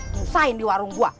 musahin di warung gua